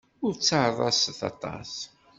Ur ttaḍḍaset aṭas.